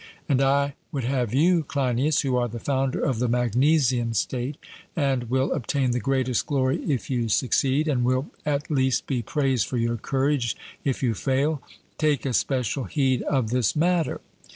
And I would have you, Cleinias, who are the founder of the Magnesian state, and will obtain the greatest glory if you succeed, and will at least be praised for your courage, if you fail, take especial heed of this matter.